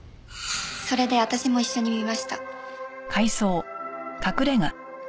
それで私も一緒に見ました。